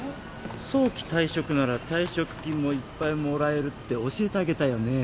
早期退職なら退職金もいっぱいもらえるって教えてあげたよね